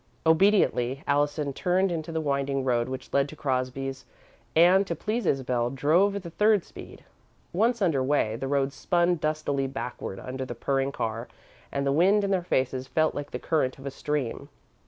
Obediently, Allison turned into the winding road which led to Crosbys's and, to please Isabel, drove at the third speed. Once under way, the road spun dustily backward under the purring car, and the wind in their faces felt like the current of a stream.